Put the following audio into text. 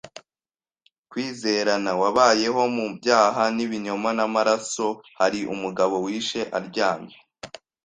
kwizerana; wabayeho mu byaha n'ibinyoma n'amaraso; hari umugabo wishe aryamye